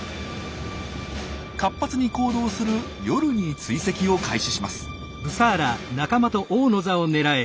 活発に行動する夜に追跡を開始します。